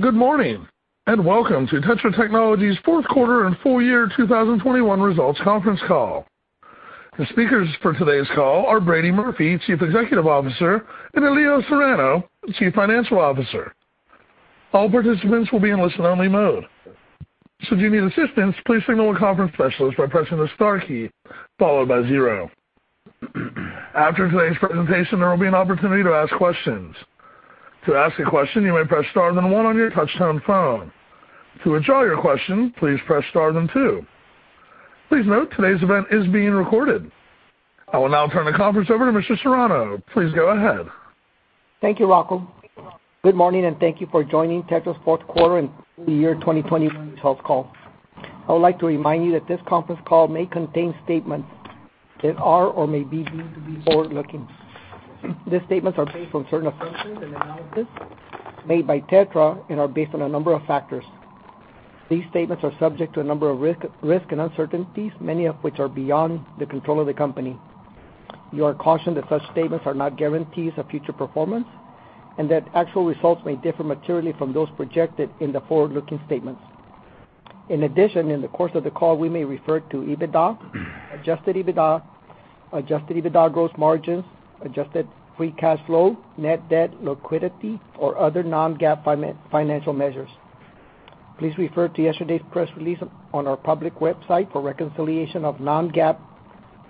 Good morning, and welcome to TETRA Technologies' fourth quarter and full year 2021 results conference call. The speakers for today's call are Brady Murphy, Chief Executive Officer, and Elijio Serrano, Chief Financial Officer. All participants will be in listen-only mode. If you need assistance, please signal the conference specialist by pressing the star key followed by zero. After today's presentation, there will be an opportunity to ask questions. To ask a question, you may press star then one on your touch-tone phone. To withdraw your question, please press star then two. Please note, today's event is being recorded. I will now turn the conference over to Mr. Serrano. Please go ahead. Thank you, Rocco. Good morning, and thank you for joining TETRA's fourth quarter and full year 2021 results call. I would like to remind you that this conference call may contain statements that are or may be deemed to be forward-looking. These statements are based on certain assumptions and analysis made by TETRA and are based on a number of factors. These statements are subject to a number of risks and uncertainties, many of which are beyond the control of the company. You are cautioned that such statements are not guarantees of future performance, and that actual results may differ materially from those projected in the forward-looking statements. In addition, in the course of the call, we may refer to EBITDA, adjusted EBITDA, adjusted EBITDA gross margins, adjusted free cash flow, net debt, liquidity, or other non-GAAP financial measures. Please refer to yesterday's press release on our public website for reconciliation of non-GAAP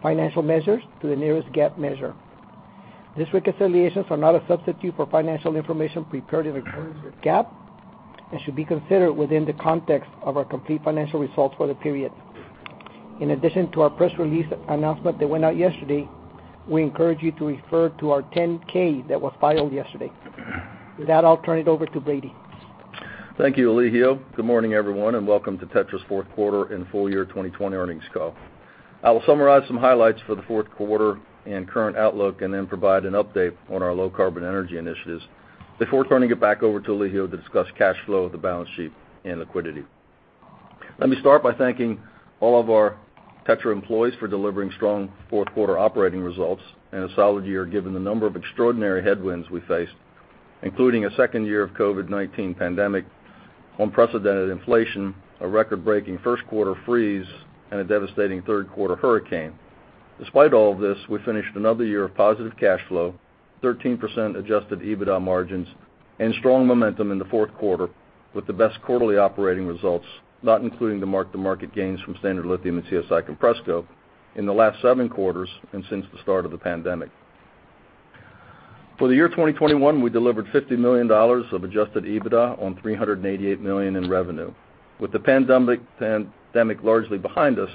financial measures to the nearest GAAP measure. These reconciliations are not a substitute for financial information prepared in accordance with GAAP and should be considered within the context of our complete financial results for the period. In addition to our press release announcement that went out yesterday, we encourage you to refer to our 10-K that was filed yesterday. With that, I'll turn it over to Brady. Thank you, Elijio. Good morning, everyone, and welcome to TETRA's fourth quarter and full year 2020 earnings call. I will summarize some highlights for the fourth quarter and current outlook and then provide an update on our low carbon energy initiatives before turning it back over to Elijio to discuss cash flow, the balance sheet, and liquidity. Let me start by thanking all of our TETRA employees for delivering strong fourth quarter operating results and a solid year, given the number of extraordinary headwinds we faced, including a second year of COVID-19 pandemic, unprecedented inflation, a record-breaking first quarter freeze, and a devastating third quarter hurricane. Despite all of this, we finished another year of positive cash flow, 13% adjusted EBITDA margins, and strong momentum in the fourth quarter with the best quarterly operating results, not including the mark-to-market gains from Standard Lithium and CSI Compressco in the last seven quarters and since the start of the pandemic. For the year 2021, we delivered $50 million of adjusted EBITDA on $388 million in revenue. With the pandemic largely behind us,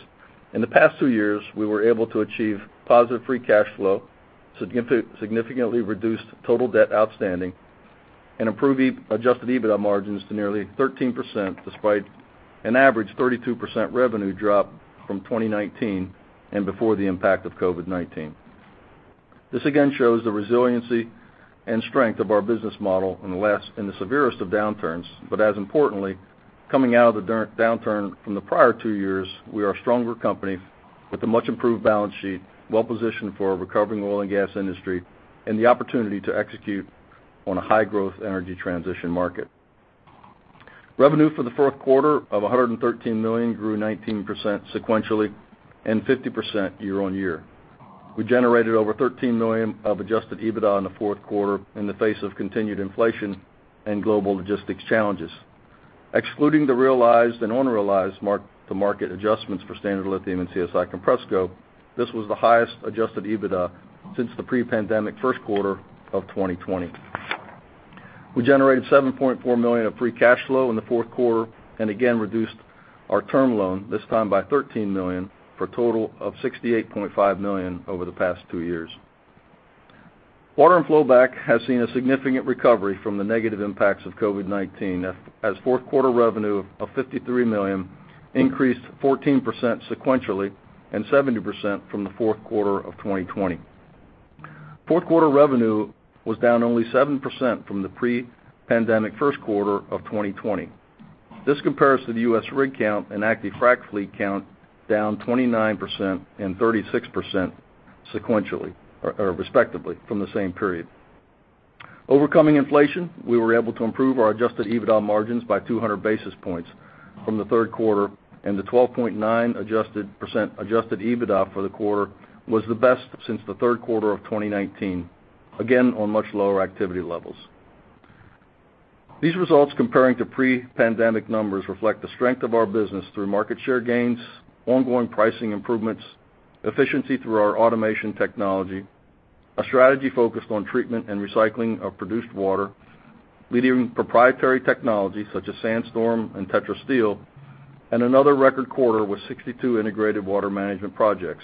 in the past two years, we were able to achieve positive free cash flow, significantly reduced total debt outstanding, and improve adjusted EBITDA margins to nearly 13% despite an average 32% revenue drop from 2019 and before the impact of COVID-19. This again shows the resiliency and strength of our business model in the severest of downturns. As importantly, coming out of the down-downturn from the prior two years, we are a stronger company with a much improved balance sheet, well-positioned for a recovering oil and gas industry, and the opportunity to execute on a high growth energy transition market. Revenue for the fourth quarter of $113 million grew 19% sequentially and 50% year-on-year. We generated over $13 million of adjusted EBITDA in the fourth quarter in the face of continued inflation and global logistics challenges. Excluding the realized and unrealized mark-to-market adjustments for Standard Lithium and CSI Compressco, this was the highest adjusted EBITDA since the pre-pandemic first quarter of 2020. We generated $7.4 million of free cash flow in the fourth quarter, and again reduced our term loan, this time by $13 million, for a total of $68.5 million over the past two years. Water and Flowback has seen a significant recovery from the negative impacts of COVID-19, as fourth quarter revenue of $53 million increased 14% sequentially and 70% from the fourth quarter of 2020. Fourth quarter revenue was down only 7% from the pre-pandemic first quarter of 2020. This compares to the U.S. rig count and active frac fleet count down 29% and 36% sequentially or respectively from the same period. Overcoming inflation, we were able to improve our adjusted EBITDA margins by 200 basis points from the third quarter, and the 12.9% adjusted EBITDA for the quarter was the best since the third quarter of 2019, again, on much lower activity levels. These results compared to pre-pandemic numbers reflect the strength of our business through market share gains, ongoing pricing improvements, efficiency through our automation technology, a strategy focused on treatment and recycling of produced water, leading proprietary technology such as TETRA SandStorm and TETRA Steel, and another record quarter with 62 integrated water management projects.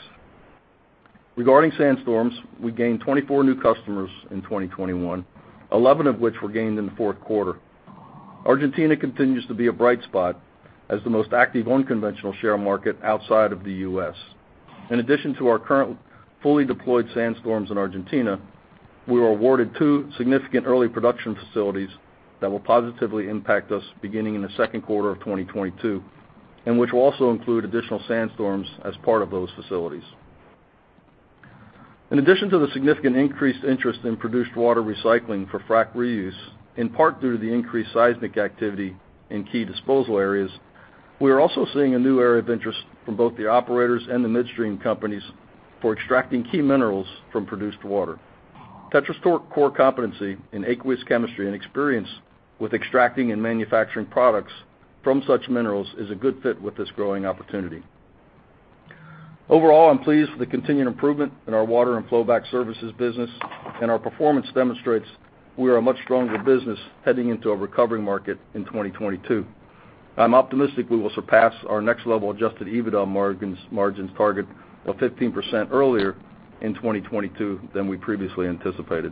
Regarding SandStorm, we gained 24 new customers in 2021, 11 of which were gained in the fourth quarter. Argentina continues to be a bright spot as the most active unconventional shale market outside of the U.S. In addition to our current fully deployed SandStorms in Argentina, we were awarded two significant early production facilities that will positively impact us beginning in the second quarter of 2022, and which will also include additional SandStorms as part of those facilities. In addition to the significant increased interest in produced water recycling for frack reuse, in part due to the increased seismic activity in key disposal areas, we are also seeing a new area of interest from both the operators and the midstream companies for extracting key minerals from produced water. TETRA's core competency in aqueous chemistry and experience with extracting and manufacturing products from such minerals is a good fit with this growing opportunity. Overall, I'm pleased with the continued improvement in our water and flowback services business, and our performance demonstrates we are a much stronger business heading into a recovering market in 2022. I'm optimistic we will surpass our next level adjusted EBITDA margin target of 15% earlier in 2022 than we previously anticipated.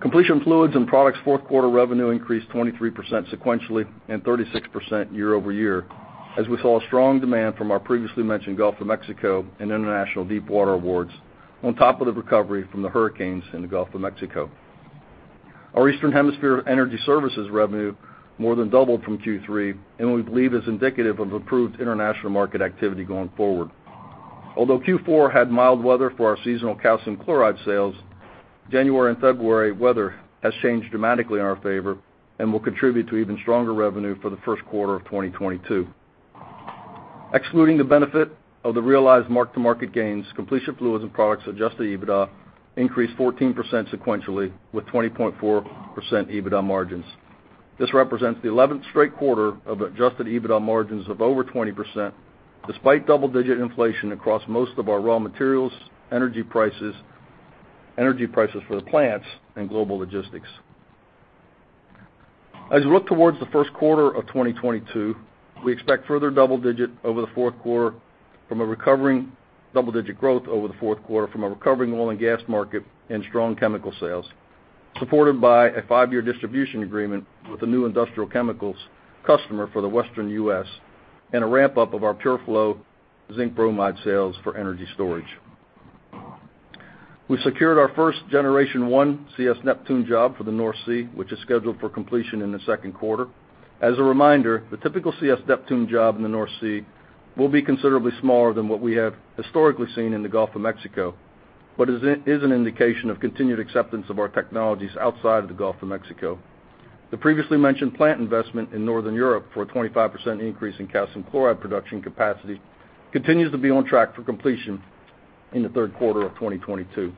Completion Fluids and Products fourth-quarter revenue increased 23% sequentially and 36% year-over-year, as we saw strong demand from our previously mentioned Gulf of Mexico and international deepwater awards on top of the recovery from the hurricanes in the Gulf of Mexico. Our Eastern Hemisphere Energy Services revenue more than doubled from Q3, and we believe is indicative of improved international market activity going forward. Although Q4 had mild weather for our seasonal calcium chloride sales, January and February weather has changed dramatically in our favor and will contribute to even stronger revenue for the first quarter of 2022. Excluding the benefit of the realized mark-to-market gains, completion fluids and products adjusted EBITDA increased 14% sequentially, with 20.4% EBITDA margins. This represents the 11th straight quarter of adjusted EBITDA margins of over 20% despite double-digit inflation across most of our raw materials, energy prices for the plants, and global logistics. As we look towards the first quarter of 2022, we expect further double-digit growth over the fourth quarter from a recovering oil and gas market and strong chemical sales, supported by a five-year distribution agreement with a new industrial chemicals customer for the Western U.S. and a ramp-up of our PureFlow zinc bromide sales for energy storage. We secured our first Generation 1 CS NEPTUNE job for the North Sea, which is scheduled for completion in the second quarter. As a reminder, the typical CS NEPTUNE job in the North Sea will be considerably smaller than what we have historically seen in the Gulf of Mexico, but is an indication of continued acceptance of our technologies outside of the Gulf of Mexico. The previously mentioned plant investment in Northern Europe for a 25% increase in calcium chloride production capacity continues to be on track for completion in the third quarter of 2022.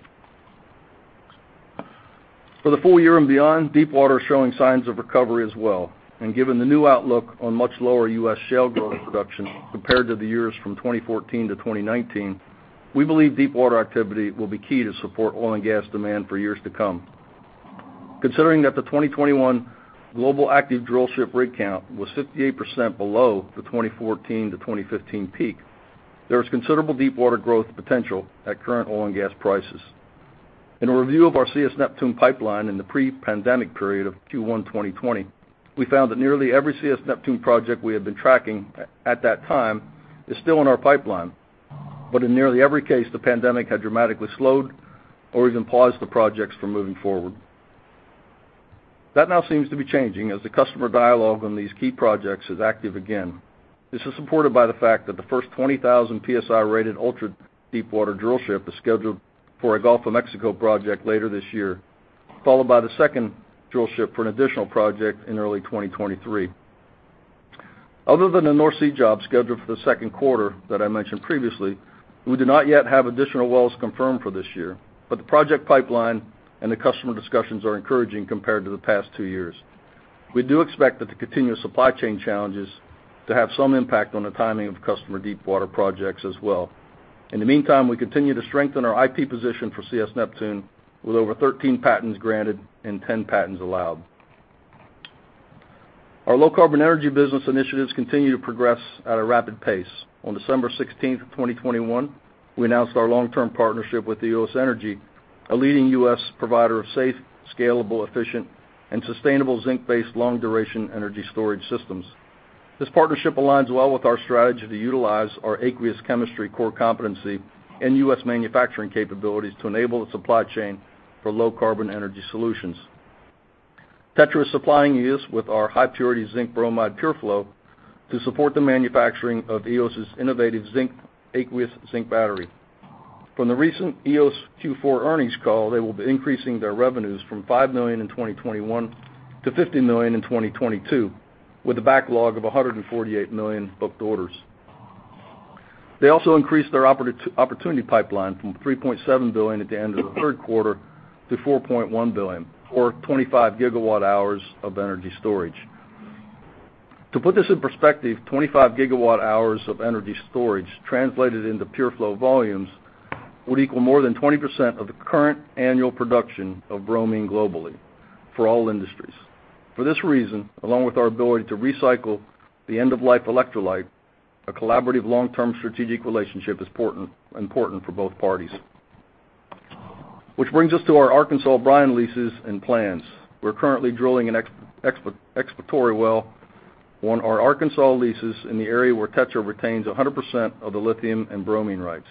For the full year and beyond, deepwater is showing signs of recovery as well, and given the new outlook on much lower U.S. shale growth production compared to the years from 2014 to 2019, we believe deepwater activity will be key to support oil and gas demand for years to come. Considering that the 2021 global active drill ship rig count was 58% below the 2014-2015 peak, there is considerable deepwater growth potential at current oil and gas prices. In a review of our CS NEPTUNE pipeline in the pre-pandemic period of Q1 2020, we found that nearly every CS NEPTUNE project we had been tracking at that time is still in our pipeline. In nearly every case, the pandemic had dramatically slowed or even paused the projects from moving forward. That now seems to be changing as the customer dialogue on these key projects is active again. This is supported by the fact that the first 20,000 PSI-rated ultra-deepwater drill ship is scheduled for a Gulf of Mexico project later this year, followed by the second drill ship for an additional project in early 2023. Other than the North Sea job scheduled for the second quarter that I mentioned previously, we do not yet have additional wells confirmed for this year, but the project pipeline and the customer discussions are encouraging compared to the past two years. We do expect that the continuous supply chain challenges to have some impact on the timing of customer deepwater projects as well. In the meantime, we continue to strengthen our IP position for CS NEPTUNE with over 13 patents granted and 10 patents allowed. Our low-carbon energy business initiatives continue to progress at a rapid pace. On December 16, 2021, we announced our long-term partnership with Eos Energy, a leading U.S. provider of safe, scalable, efficient, and sustainable zinc-based long-duration energy storage systems. This partnership aligns well with our strategy to utilize our aqueous chemistry core competency and U.S. manufacturing capabilities to enable the supply chain for low-carbon energy solutions. TETRA is supplying Eos with our high-purity zinc bromide PureFlow to support the manufacturing of Eos's innovative zinc aqueous zinc battery. From the recent Eos Q4 earnings call, they will be increasing their revenues from $5 million in 2021 to $50 million in 2022, with a backlog of $148 million booked orders. They also increased their opportunity pipeline from $3.7 billion at the end of the third quarter to $4.1 billion, or 25 GWh of energy storage. To put this in perspective, 25 GWh of energy storage translated into PureFlow volumes would equal more than 20% of the current annual production of bromine globally for all industries. For this reason, along with our ability to recycle the end-of-life electrolyte, a collaborative long-term strategic relationship is important for both parties. Which brings us to our Arkansas brine leases and plans. We're currently drilling an exploratory well on our Arkansas leases in the area where TETRA retains 100% of the lithium and bromine rights.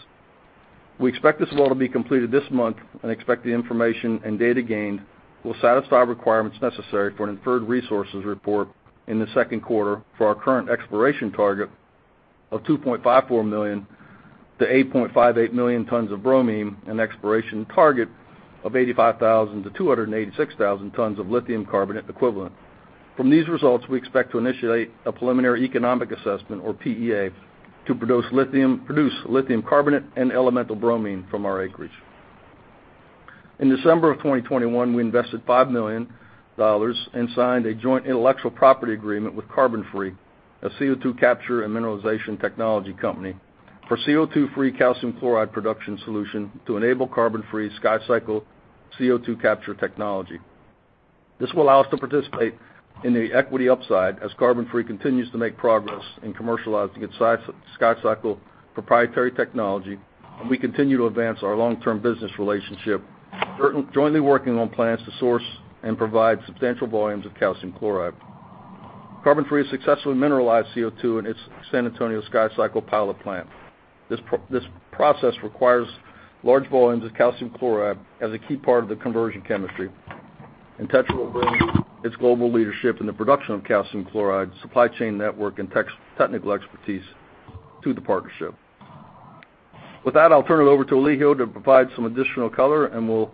We expect this well to be completed this month and expect the information and data gained will satisfy requirements necessary for an Inferred Resources report in the second quarter for our current exploration target of 2.54 million-8.58 million tons of bromine and exploration target of 85,000-286,000 tons of lithium carbonate equivalent. From these results, we expect to initiate a preliminary economic assessment, or PEA, to produce lithium carbonate and elemental bromine from our acreage. In December 2021, we invested $5 million and signed a joint intellectual property agreement with CarbonFree, a CO₂ capture and mineralization technology company, for CO₂-free calcium chloride production solution to enable CarbonFree's SkyCycle CO₂ capture technology. This will allow us to participate in the equity upside as CarbonFree continues to make progress in commercializing its SkyCycle proprietary technology, and we continue to advance our long-term business relationship, jointly working on plans to source and provide substantial volumes of calcium chloride. CarbonFree has successfully mineralized CO₂ in its San Antonio SkyCycle pilot plant. This process requires large volumes of calcium chloride as a key part of the conversion chemistry. And TETRA will bring its global leadership in the production of calcium chloride supply chain network and technical expertise to the partnership. With that, I'll turn it over to Elijio to provide some additional color, and we'll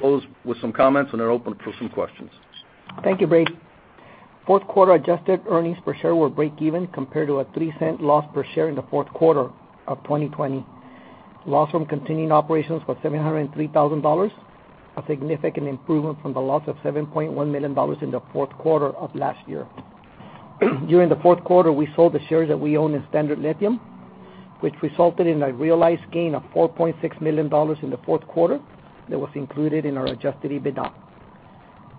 close with some comments, and then open it for some questions. Thank you, Brady. Fourth quarter adjusted earnings per share were breakeven compared to a $0.03 loss per share in the fourth quarter of 2020. Loss from continuing operations was $703,000, a significant improvement from the loss of $7.1 million in the fourth quarter of last year. During the fourth quarter, we sold the shares that we own in Standard Lithium, which resulted in a realized gain of $4.6 million in the fourth quarter that was included in our adjusted EBITDA.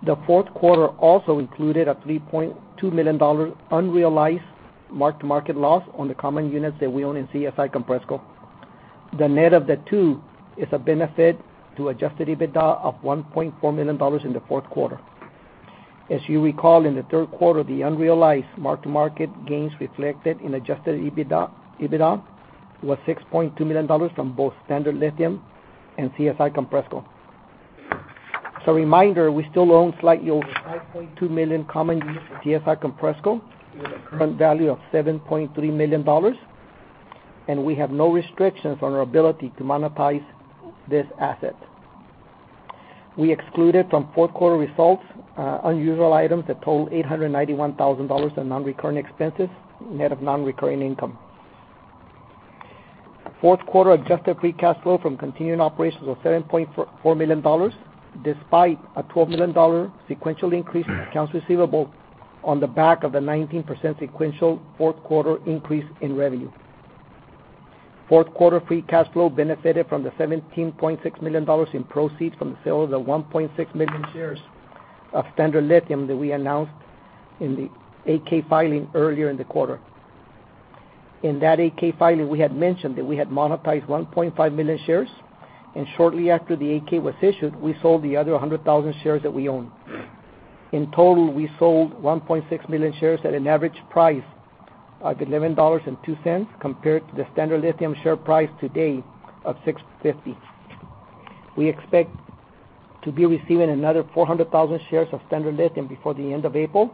The fourth quarter also included a $3.2 million unrealized mark-to-market loss on the common units that we own in CSI Compressco. The net of the two is a benefit to adjusted EBITDA of $1.4 million in the fourth quarter. As you recall, in the third quarter, the unrealized mark-to-market gains reflected in adjusted EBITDA was $6.2 million from both Standard Lithium and CSI Compressco. Reminder, we still own slightly over 5.2 million common units of CSI Compressco with a current value of $7.3 million, and we have no restrictions on our ability to monetize this asset. We excluded from fourth quarter results unusual items that total $891,000 in non-recurring expenses, net of non-recurring income. Fourth quarter adjusted free cash flow from continuing operations was $7.4 million, despite a $12 million sequential increase in accounts receivable on the back of the 19% sequential fourth quarter increase in revenue. Fourth quarter free cash flow benefited from the $17.6 million in proceeds from the sale of the 1.6 million shares of Standard Lithium that we announced in the 8-K filing earlier in the quarter. In that 8-K filing, we had mentioned that we had monetized 1.5 million shares, and shortly after the 8-K was issued, we sold the other 100,000 shares that we own. In total, we sold 1.6 million shares at an average price of $11.02, compared to the Standard Lithium share price today of $6.50. We expect to be receiving another 400,000 shares of Standard Lithium before the end of April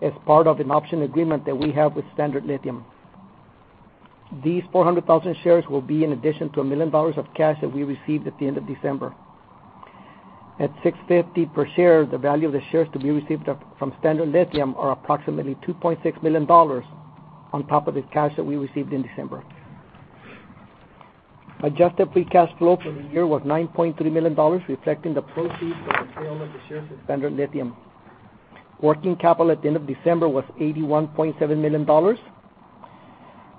as part of an option agreement that we have with Standard Lithium. These 400,000 shares will be in addition to $1 million of cash that we received at the end of December. At $6.50 per share, the value of the shares to be received from Standard Lithium are approximately $2.6 million on top of the cash that we received in December. Adjusted free cash flow for the year was $9.3 million, reflecting the proceeds from the sale of the shares in Standard Lithium. Working capital at the end of December was $81.7 million,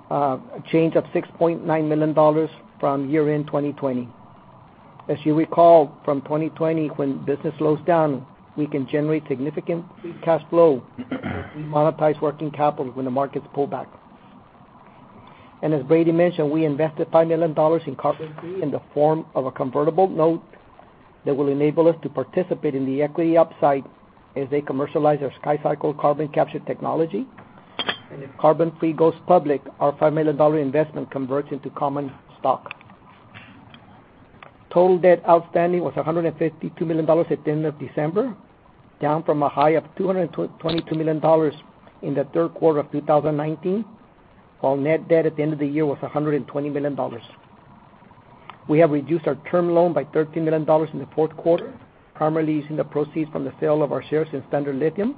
a change of $6.9 million from year-end 2020. As you recall, from 2020, when business slows down, we can generate significant free cash flow to monetize working capital when the markets pull back. as Brady mentioned, we invested $5 million in CarbonFree in the form of a convertible note that will enable us to participate in the equity upside as they commercialize their SkyCycle carbon capture technology. If CarbonFree goes public, our $5 million investment converts into common stock. Total debt outstanding was $152 million at the end of December, down from a high of $222 million in the third quarter of 2019, while net debt at the end of the year was $120 million. We have reduced our term loan by $13 million in the fourth quarter, primarily using the proceeds from the sale of our shares in Standard Lithium,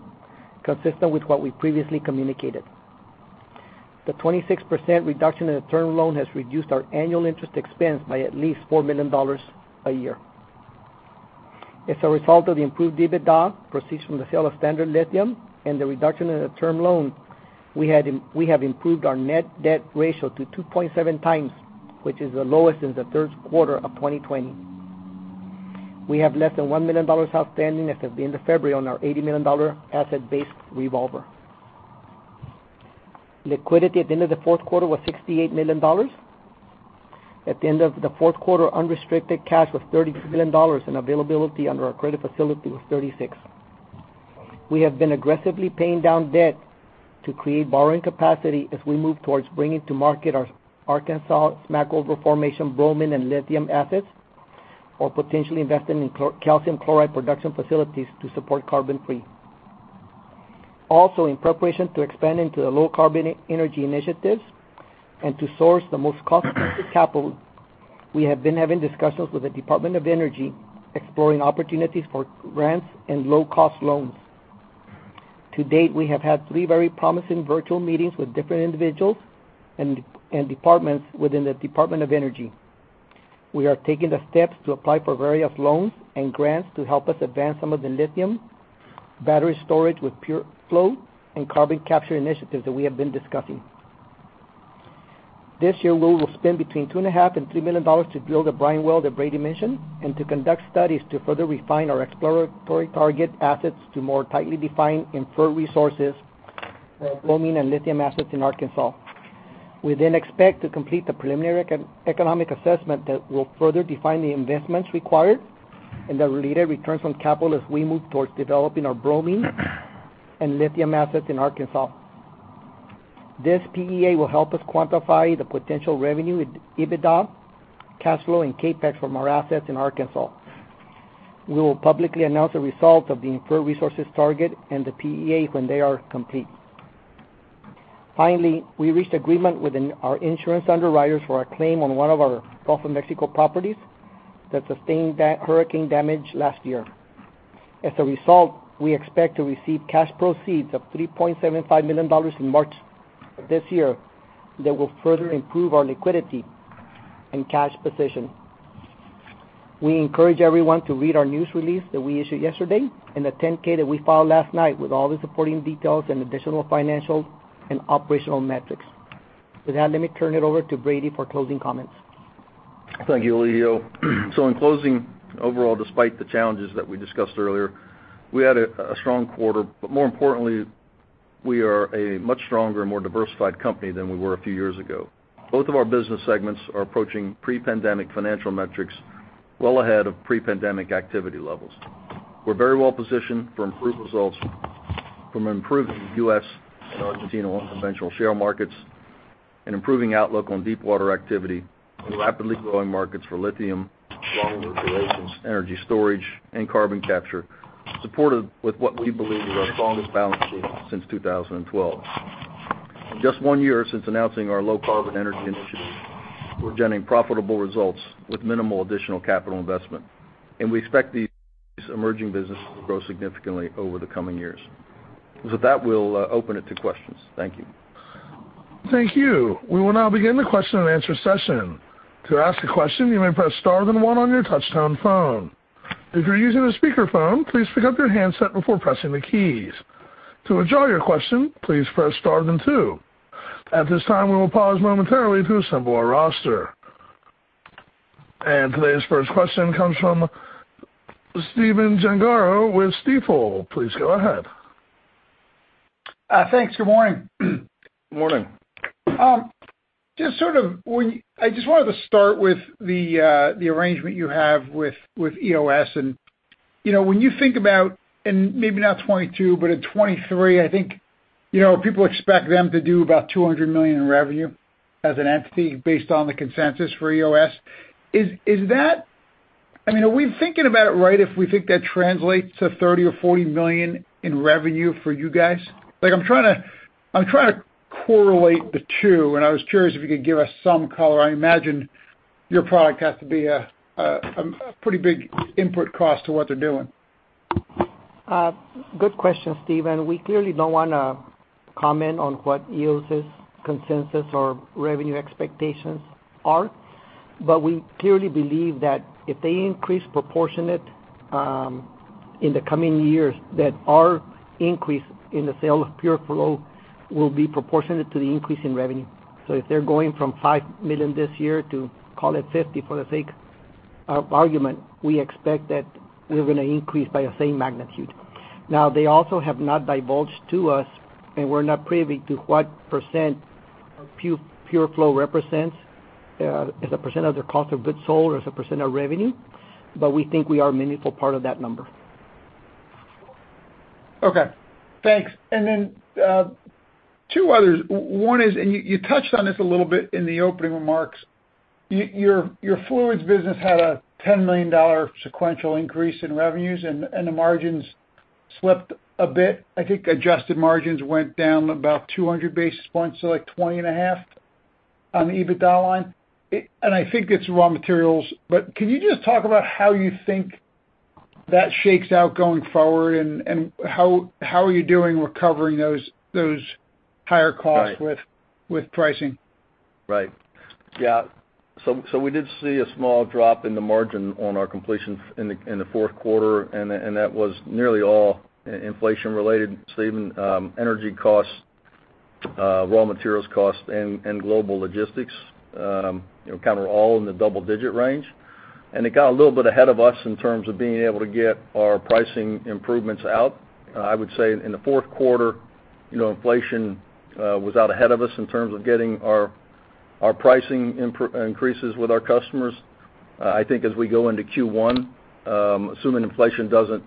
consistent with what we previously communicated. The 26% reduction in the term loan has reduced our annual interest expense by at least $4 million a year. As a result of the improved EBITDA, proceeds from the sale of Standard Lithium, and the reduction in the term loan, we have improved our net debt ratio to 2.7x, which is the lowest since the third quarter of 2020. We have less than $1 million outstanding as of the end of February on our $80 million asset-based revolver. Liquidity at the end of the fourth quarter was $68 million. At the end of the fourth quarter, unrestricted cash was $30 million, and availability under our credit facility was $36 million. We have been aggressively paying down debt to create borrowing capacity as we move towards bringing to market our Arkansas Smackover formation bromine and lithium assets, or potentially investing in calcium chloride production facilities to support CarbonFree. Also, in preparation to expand into the low carbon energy initiatives and to source the most cost-effective capital, we have been having discussions with the Department of Energy, exploring opportunities for grants and low-cost loans. To date, we have had three very promising virtual meetings with different individuals and departments within the Department of Energy. We are taking the steps to apply for various loans and grants to help us advance some of the lithium battery storage with PureFlow and carbon capture initiatives that we have been discussing. This year, we will spend between $2.5 million and $3 million to drill the brine well at Brady Mission and to conduct studies to further refine our exploratory target assets to more tightly define Inferred Resources for our bromine and lithium assets in Arkansas. We then expect to complete the preliminary economic assessment that will further define the investments required and the related returns on capital as we move towards developing our bromine and lithium assets in Arkansas. This PEA will help us quantify the potential revenue, EBITDA, cash flow and CapEx from our assets in Arkansas. We will publicly announce the result of the Inferred Resources target and the PEA when they are complete. Finally, we reached agreement with our insurance underwriters for a claim on one of our Gulf of Mexico properties that sustained that hurricane damage last year. As a result, we expect to receive cash proceeds of $3.75 million in March this year that will further improve our liquidity and cash position. We encourage everyone to read our news release that we issued yesterday and the 10-K that we filed last night with all the supporting details and additional financial and operational metrics. With that, let me turn it over to Brady for closing comments. Thank you, Elijio. In closing, overall, despite the challenges that we discussed earlier, we had a strong quarter, but more importantly, we are a much stronger and more diversified company than we were a few years ago. Both of our business segments are approaching pre-pandemic financial metrics well ahead of pre-pandemic activity levels. We're very well positioned for improved results from improving U.S. and Argentine conventional shale markets, an improving outlook on deepwater activity and rapidly growing markets for lithium, long-duration energy storage and carbon capture, supported with what we believe is our strongest balance sheet since 2012. In just one year since announcing our low carbon energy initiative, we're generating profitable results with minimal additional capital investment, and we expect these emerging businesses to grow significantly over the coming years. With that, we'll open it to questions. Thank you. Thank you. We will now begin the question-and-answer session. To ask a question, you may press star then one on your touchtone phone. If you're using a speakerphone, please pick up your handset before pressing the keys. To withdraw your question, please press star then two. At this time, we will pause momentarily to assemble our roster. Today's first question comes from Stephen Gengaro with Stifel. Please go ahead. Thanks. Good morning. Morning. I just wanted to start with the arrangement you have with Eos. You know, when you think about, maybe not 2022, but in 2023, I think, you know, people expect them to do about $200 million in revenue as an entity based on the consensus for Eos. Is that? I mean, are we thinking about it right if we think that translates to $30 million or $40 million in revenue for you guys? Like I'm trying to correlate the two, and I was curious if you could give us some color. I imagine your product has to be a pretty big input cost to what they're doing. Good question, Stephen. We clearly don't wanna comment on what Eos's consensus or revenue expectations are, but we clearly believe that if they increase proportionate in the coming years, that our increase in the sale of PureFlow will be proportionate to the increase in revenue. If they're going from $5 million this year to, call it $50 million for the sake of argument, we expect that we're gonna increase by the same magnitude. Now, they also have not divulged to us, and we're not privy to what percent PureFlow represents as a percent of their cost of goods sold or as a percent of revenue, but we think we are a meaningful part of that number. Okay, thanks. Then, two others. One is, you touched on this a little bit in the opening remarks. Your fluids business had a $10 million sequential increase in revenues, and the margins slipped a bit. I think adjusted margins went down about 200 basis points, so like 20.5% on the EBITDA line. I think it's raw materials, but can you just talk about how you think that shakes out going forward? And how are you doing recovering those higher costs? Right. With pricing? Right. Yeah. We did see a small drop in the margin on our completions in the fourth quarter, and that was nearly all inflation related, Steven. Energy costs, raw materials costs and global logistics, you know, kind of all in the double-digit range. It got a little bit ahead of us in terms of being able to get our pricing improvements out. I would say in the fourth quarter, you know, inflation was out ahead of us in terms of getting our pricing increases with our customers. I think as we go into Q1, assuming inflation doesn't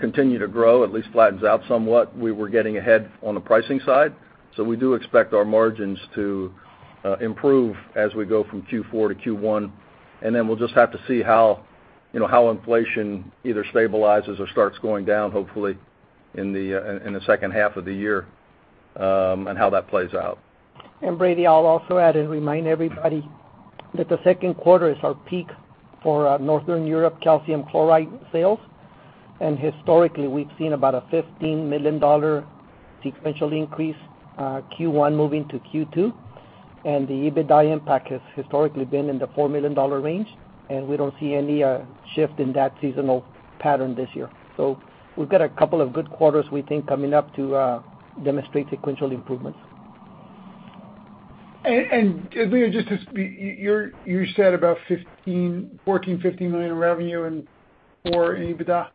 continue to grow, at least flattens out somewhat, we were getting ahead on the pricing side. We do expect our margins to improve as we go from Q4 to Q1, and then we'll just have to see how, you know, how inflation either stabilizes or starts going down, hopefully, in the second half of the year, and how that plays out. Brady, I'll also add and remind everybody that the second quarter is our peak for Northern Europe calcium chloride sales. Historically, we've seen about a $15 million sequential increase, Q1 moving to Q2, and the EBITDA impact has historically been in the $4 million range, and we don't see any shift in that seasonal pattern this year. We've got a couple of good quarters we think coming up to demonstrate sequential improvements. Elijio, just to you said about $15, $14, $15 million in revenue and more in EBITDA?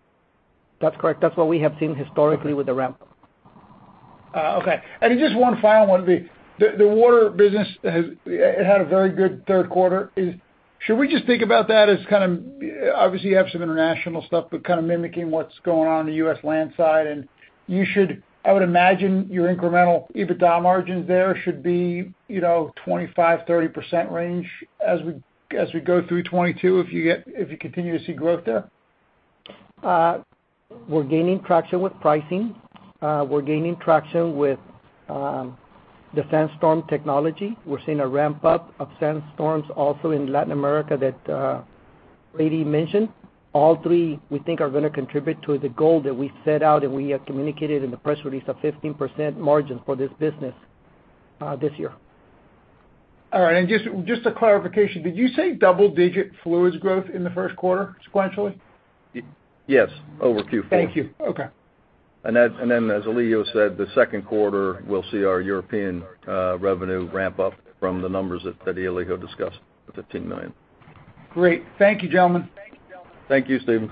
That's correct. That's what we have seen historically with the ramp. Okay. Just one final one. The water business had a very good third quarter. Should we just think about that as kind of, obviously, you have some international stuff, but kind of mimicking what's going on in the U.S. land side? You should, I would imagine, your incremental EBITDA margins there should be, you know, 25%-30% range as we go through 2022 if you continue to see growth there. We're gaining traction with pricing. We're gaining traction with the SandStorm technology. We're seeing a ramp-up of SandStorms also in Latin America that Brady mentioned. All three, we think, are gonna contribute to the goal that we've set out and we have communicated in the press release of 15% margins for this business this year. All right. Just a clarification, did you say double-digit fluids growth in the first quarter sequentially? Yes, over Q4. Thank you. Okay. As Elijio said, the second quarter, we'll see our European revenue ramp up from the numbers that Elijio discussed, the $15 million. Great. Thank you, gentlemen. Thank you, Stephen.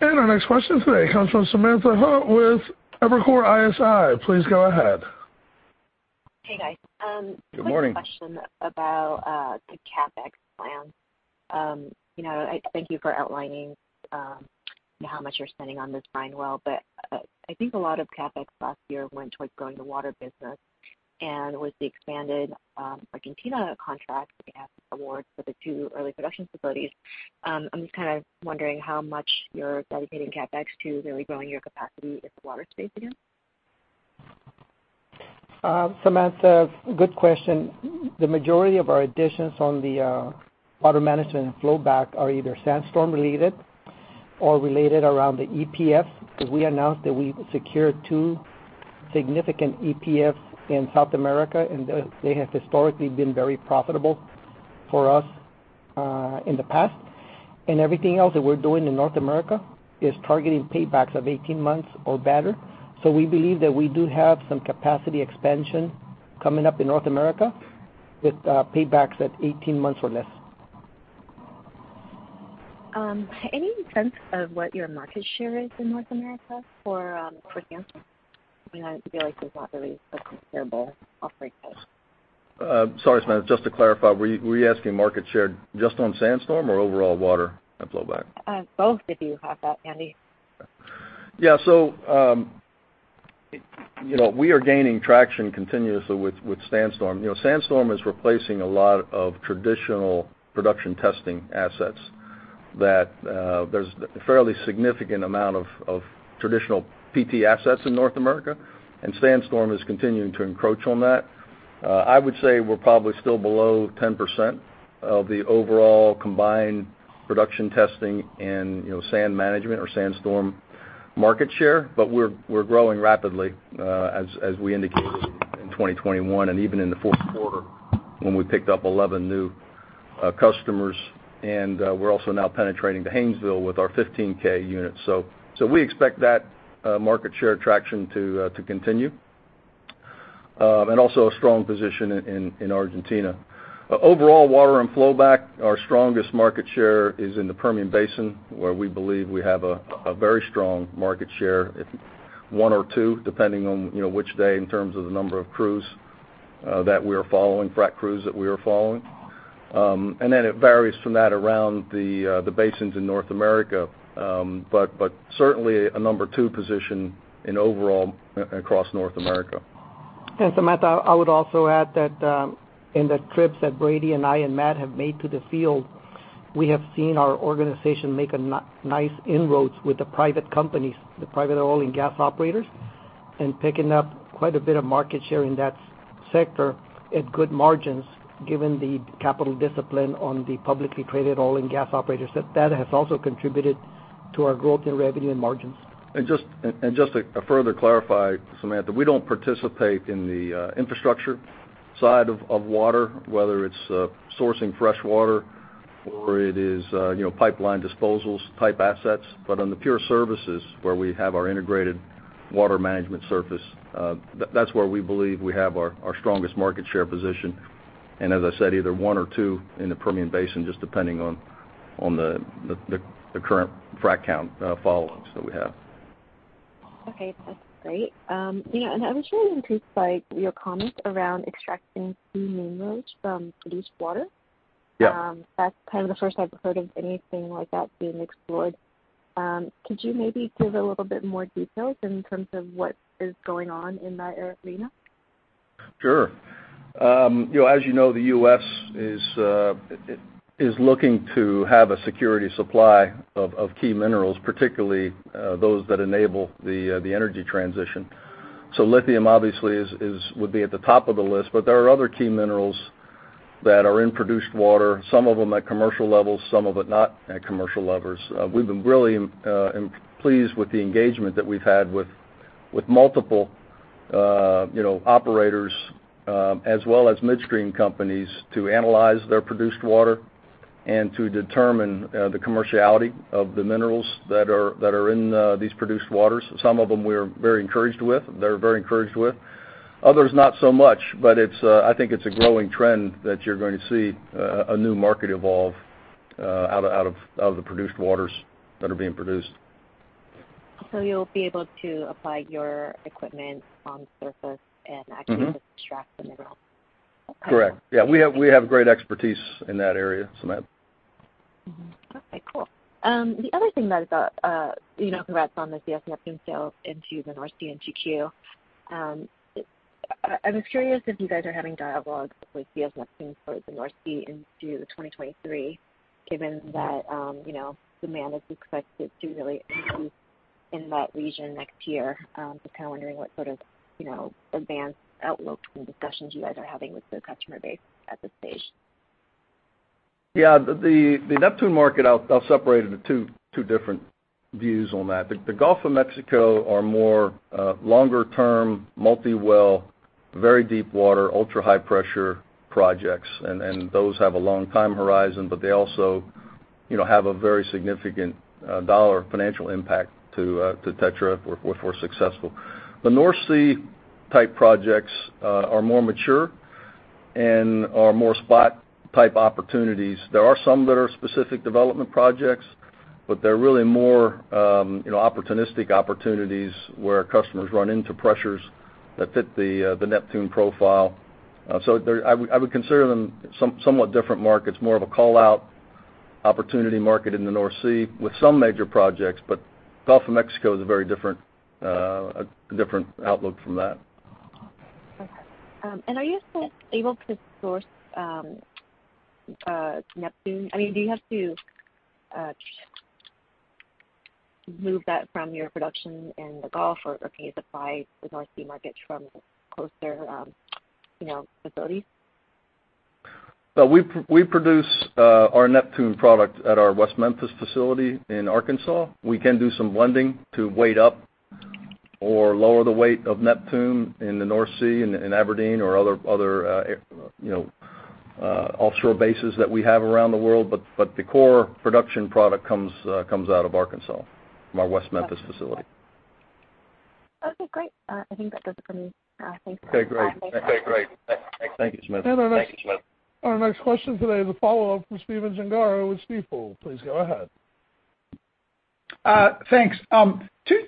Our next question today comes from Samantha Hoh with Evercore ISI. Please go ahead. Hey, guys. Good morning. Quick question about the CapEx plans. You know, I thank you for outlining how much you're spending on this mine well, but I think a lot of CapEx last year went towards growing the water business. With the expanded Argentina contract award for the two early production facilities, I'm just kind of wondering how much you're dedicating CapEx to really growing your capacity in the water space again. Samantha, good question. The majority of our additions on the water management and flowback are either SandStorm related or related around the EPF, because we announced that we secured two significant EPFs in South America, and they have historically been very profitable for us in the past. Everything else that we're doing in North America is targeting paybacks of 18 months or better. We believe that we do have some capacity expansion coming up in North America with paybacks at 18 months or less. Any sense of what your market share is in North America for Sandstorm? You know, I feel like there's not really a comparable offering. Sorry, Samantha. Just to clarify, were you asking market share just on SandStorm or overall water and flowback? Both, if you have that handy. Yeah, you know, we are gaining traction continuously with SandStorm. You know, SandStorm is replacing a lot of traditional production testing assets that there's a fairly significant amount of traditional PT assets in North America, and SandStorm is continuing to encroach on that. I would say we're probably still below 10% of the overall combined production testing and sand management or SandStorm market share, but we're growing rapidly as we indicated in 2021 and even in the fourth quarter when we picked up 11 new customers. We're also now penetrating the Haynesville with our 15,000 units. We expect that market share traction to continue and also a strong position in Argentina. Overall water and flowback, our strongest market share is in the Permian Basin, where we believe we have a very strong market share. It's one or two, depending on which day in terms of the number of crews that we are following, frac crews. Then it varies from that around the basins in North America, but certainly a number two position in overall across North America. Samantha, I would also add that, in the trips that Brady and I and Matt have made to the field, we have seen our organization make nice inroads with the private companies, the private oil and gas operators, and picking up quite a bit of market share in that sector at good margins, given the capital discipline on the publicly traded oil and gas operators. That has also contributed to our growth in revenue and margins. Just to further clarify, Samantha, we don't participate in the infrastructure side of water, whether it's sourcing fresh water or it is you know, pipeline disposals type assets. But on the pure services where we have our integrated water management service, that's where we believe we have our strongest market share position. As I said, either one or two in the Permian Basin, just depending on the current frack count follow-ups that we have. Okay, that's great. You know, I was really intrigued by your comment around extracting key minerals from produced water. Yeah. That's kind of the first I've heard of anything like that being explored. Could you maybe give a little bit more details in terms of what is going on in that area? Sure. You know, as you know, the U.S. is looking to have a security supply of key minerals, particularly those that enable the energy transition. Lithium obviously would be at the top of the list, but there are other key minerals that are in produced water, some of them at commercial levels, some of it not at commercial levels. We've been really pleased with the engagement that we've had with multiple you know, operators as well as midstream companies to analyze their produced water and to determine the commerciality of the minerals that are in these produced waters. Some of them we are very encouraged with, they're very encouraged with. Others, not so much, but it's, I think it's a growing trend that you're going to see a new market evolve out of the produced waters that are being produced. You'll be able to apply your equipment on surface and- Mm-hmm. Actually just extract the mineral? Okay. Correct. Yeah, we have great expertise in that area, Samantha. Okay, cool. The other thing that is, you know, congrats on the CS NEPTUNE sale into the North Sea and GOM. I was curious if you guys are having dialogues with CS NEPTUNE towards the North Sea into 2023, given that, you know, demand is expected to really increase in that region next year. Just kind of wondering what sort of, you know, advanced outlook and discussions you guys are having with the customer base at this stage. Yeah. The Neptune market, I'll separate it into two different views on that. The Gulf of Mexico are more longer term, multi-well, very deep water, ultra-high pressure projects. Those have a long time horizon, but they also, you know, have a very significant dollar financial impact to TETRA if we're successful. The North Sea type projects are more mature and are more spot type opportunities. There are some that are specific development projects, but they're really more, you know, opportunistic opportunities where customers run into pressures that fit the Neptune profile. I would consider them somewhat different markets, more of a call-out opportunity market in the North Sea with some major projects. Gulf of Mexico is a very different outlook from that. Okay. Are you still able to source Neptune? I mean, do you have to move that from your production in the Gulf or can you supply the North Sea market from closer facilities? Well, we produce our Neptune product at our West Memphis facility in Arkansas. We can do some blending to weight up or lower the weight of Neptune in the North Sea, in Aberdeen or other offshore bases that we have around the world. The core production product comes out of Arkansas, from our West Memphis facility. Okay, great. I think that's it for me. Thanks. Okay, great. Thank you, Samantha. Our next question today is a follow-up from Stephen Gengaro with Stifel. Please go ahead. Thanks.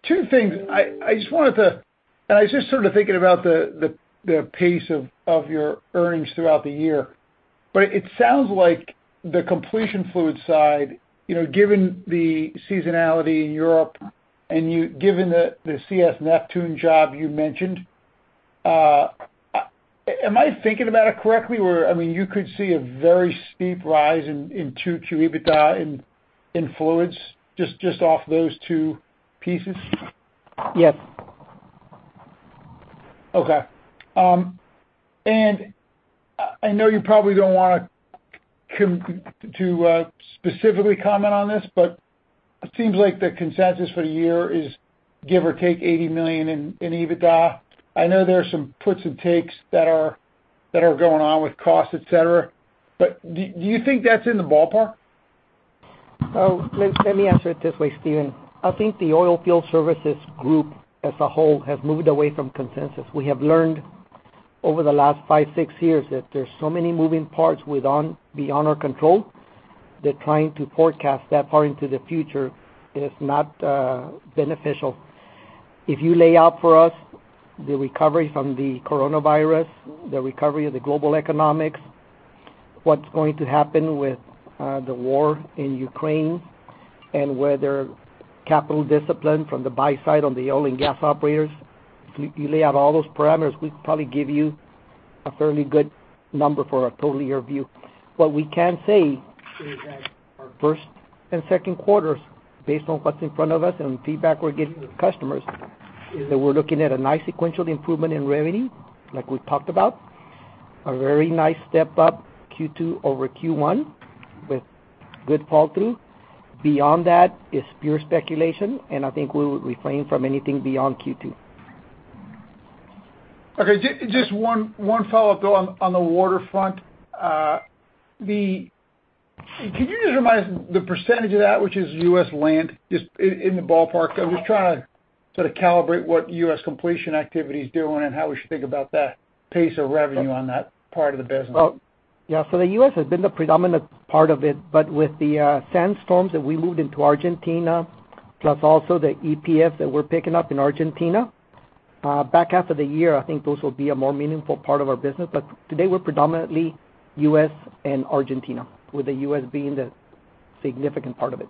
Two things. I just wanted to. I was just sort of thinking about the pace of your earnings throughout the year. It sounds like the completion fluid side, you know, given the seasonality in Europe and given the CS NEPTUNE job you mentioned, am I thinking about it correctly where, I mean, you could see a very steep rise in Q2 EBITDA in fluids just off those two pieces? Yes. Okay. I know you probably don't wanna specifically comment on this, but it seems like the consensus for the year is give or take $80 million in EBITDA. I know there are some puts and takes that are going on with costs, et cetera, but do you think that's in the ballpark? Let me answer it this way, Stephen. I think the oil field services group as a whole has moved away from consensus. We have learned over the last five, six years that there's so many moving parts with beyond our control, that trying to forecast that far into the future is not beneficial. If you lay out for us the recovery from the coronavirus, the recovery of the global economics, what's going to happen with the war in Ukraine, and whether capital discipline from the buy side on the oil and gas operators, if you lay out all those parameters, we'd probably give you a fairly good number for a total year view. What we can say is that our first and second quarters, based on what's in front of us and feedback we're getting from customers, is that we're looking at a nice sequential improvement in revenue, like we've talked about. A very nice step up Q2 over Q1 with good flow-through. Beyond that is pure speculation, and I think we would refrain from anything beyond Q2. Okay, just one follow-up, though, on the water front. Can you just remind us the percentage of that which is U.S. land, just in the ballpark? I was trying to sort of calibrate what U.S. completion activity is doing and how we should think about that pace of revenue on that part of the business. Well, yeah. The U.S. has been the predominant part of it, but with the SandStorm that we moved into Argentina, plus also the EPF that we're picking up in Argentina, back half of the year, I think those will be a more meaningful part of our business. Today, we're predominantly U.S. and Argentina, with the U.S. being the significant part of it.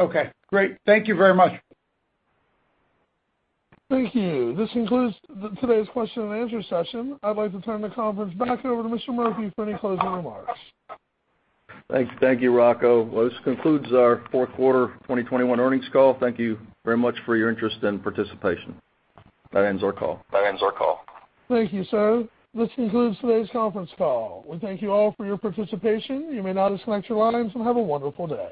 Okay, great. Thank you very much. Thank you. This concludes today's question and answer session. I'd like to turn the conference back over to Mr. Murphy for any closing remarks. Thank you. Thank you, Rocco. Well, this concludes our fourth quarter 2021 earnings call. Thank you very much for your interest and participation. That ends our call. Thank you, sir. This concludes today's conference call. We thank you all for your participation. You may now disconnect your lines, and have a wonderful day.